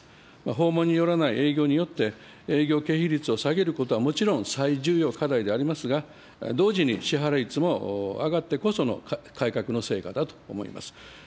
訪問によらない営業によって営業経費率を下げることはもちろん最重要課題でありますが、同時に支払い率も上がってこその改革の成果だと思います。